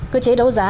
cơ chế đấu giá